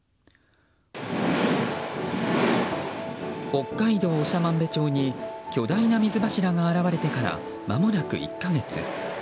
北海道長万部町に巨大な水柱が現れてからまもなく１か月。